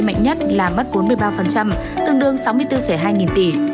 mạnh nhất là mất bốn mươi ba tương đương sáu mươi bốn hai nghìn tỷ